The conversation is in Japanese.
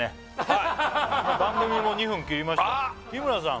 はいもう番組も２分切りました日村さん